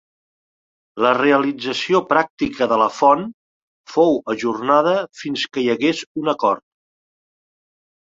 La realització pràctica de la font fou ajornada fins que hi hagués un acord.